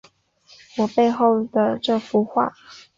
我背后的这幅画